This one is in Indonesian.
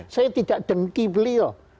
saya tidak dengki beliau